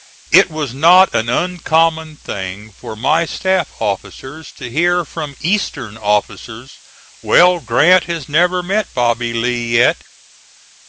It was not an uncommon thing for my staff officers to hear from Eastern officers, "Well, Grant has never met Bobby Lee yet."